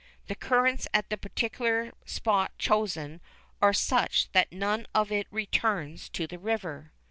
The currents at the particular spot chosen are such that none of it returns to the river.